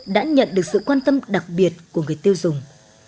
đã nhận được sự quan tâm đặc biệt của người tiêu dùng